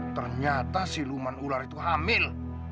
ternyata si luman ular itu hamil